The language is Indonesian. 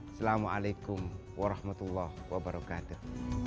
assalamualaikum warahmatullah wabarakatuh